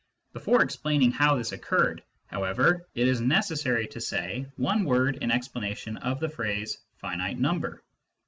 Before explaining how this occurred, however, it is necessary to say one word in explanation of the phrase " finite number."